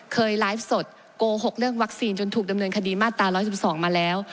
เคยไลฟ์สดโกหกเรื่องวัคซีนจนถูกดำเนินคดีมาตรา๑๑๒มาแล้ว